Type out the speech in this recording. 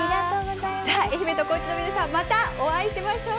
さあ愛媛と高知の皆さんまたお会いしましょう。